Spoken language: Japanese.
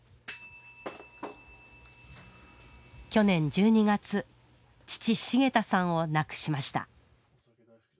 去年１２月父茂太さんを亡くしました。